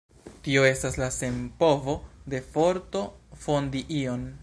Tio estas la senpovo de forto fondi ion.